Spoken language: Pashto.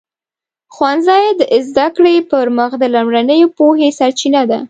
ښوونځی د زده کړې پر مخ د لومړنیو پوهې سرچینه ده.